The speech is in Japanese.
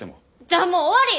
じゃあもう終わり！